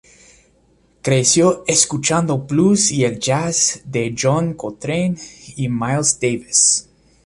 Creció escuchando "blues" y el "jazz" de John Coltrane y Miles Davis.